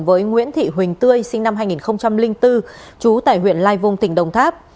với nguyễn thị huỳnh tươi sinh năm hai nghìn bốn chú tải huyện lai vung tỉnh đồng tháp